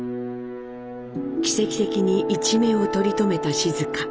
奇跡的に一命を取り留めた静香。